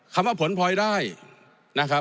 คำว่าผลพลอยได้นะครับ